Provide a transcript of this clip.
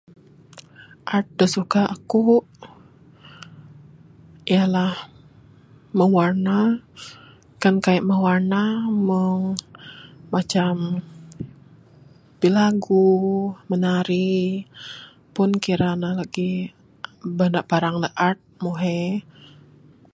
Art da suka aku ialah mewarna. Kan kaik mewarna, meng macam bilagu, menari pun kira ne lagih beda parang ne art mung he.